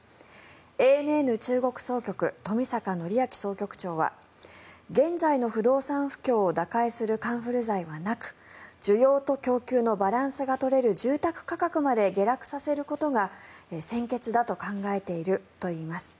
ＡＮＮ中国総局冨坂範明総局長は現在の不動産不況を打開するカンフル剤はなく需要と供給のバランスが取れる住宅価格まで下落させることが先決だと考えているといいます。